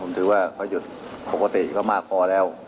ผมคิดว่าพอหยุดปกติก็มากกว้าแล้ว